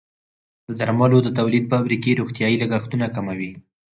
د درملو د تولید فابریکې روغتیايي لګښتونه کموي.